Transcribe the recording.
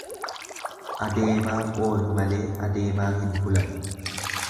Adeemaa oolu malee adeemaa hin bulan.